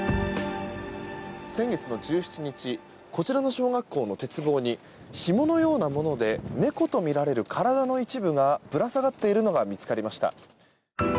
先月の１７日こちらの小学校の鉄棒にひものようなもので猫とみられる体の一部がぶら下がっているのが見つかりました。